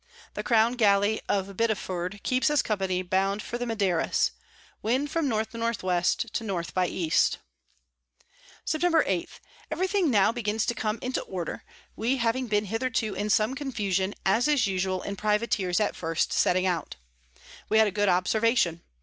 The Crown Gally of Biddiford keeps us Company bound for the Maderas. Wind from N N W. to N by E. Sept. 8. Every thing now begins to come into Order, we having been hitherto in some Confusion, as is usual in Privateers at first setting out. We had a good Observation.